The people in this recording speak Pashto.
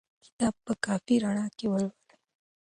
کتاب په کافي رڼا کې ولولئ.